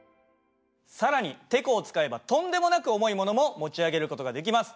更にてこを使えばとんでもなく重い物も持ち上げる事ができます。